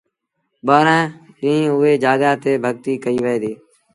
ٻآهرآݩ ڏيݩهݩ اُئي جآڳآ تي ڀڳتيٚ ڪئيٚ وهي ديٚ